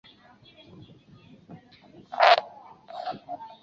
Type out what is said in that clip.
稻槎菜为菊科稻搓菜属的植物。